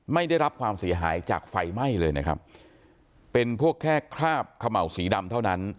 ไม่ได้รับความเสียหายจากไฟไหม้เลยนะครับเป็นพวกแค่คราบเขม่าวสีดำเท่านั้น